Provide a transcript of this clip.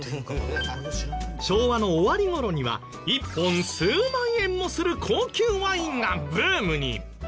昭和の終わり頃には１本数万円もする高級ワインがブームに。